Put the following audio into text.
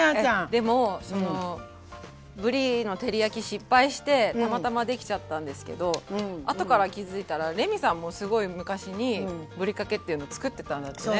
でもそのぶりの照り焼き失敗してたまたまできちゃったんですけど後から気付いたらレミさんもすごい昔にぶりかけっていうの作ってたんだってね。